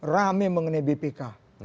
rame mengenai bpk